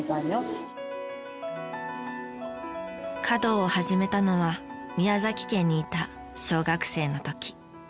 華道を始めたのは宮崎県にいた小学生の時。